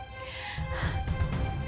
aku akan bawa dia pergi jauh dari afif